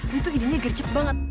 bu tuh idenya gercep banget